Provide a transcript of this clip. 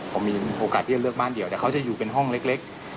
ผมมีโอกาสที่จะเลือกบ้านเดียวแต่เขาจะอยู่เป็นห้องเล็ก